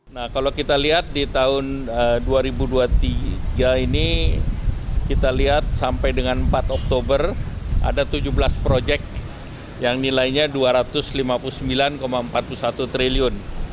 nah kalau kita lihat di tahun dua ribu dua puluh tiga ini kita lihat sampai dengan empat oktober ada tujuh belas proyek yang nilainya dua ratus lima puluh sembilan empat puluh satu triliun